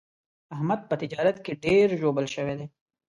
احمد په تجارت کې ډېر ژوبل شوی دی.